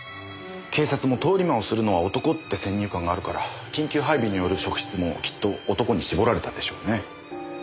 警察も通り魔をするのは男って先入観があるから緊急配備による職質もきっと男に絞られたでしょうね。